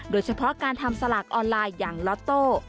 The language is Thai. โดยเฉพาะการทำสลากออนไลน์อย่างล็อตโต้